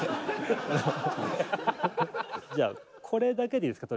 じゃあこれだけでいいですか？